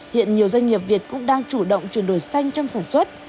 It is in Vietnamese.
hiện nhiều doanh nghiệp việt cũng đang chủ động chuyển đổi xanh trong sản xuất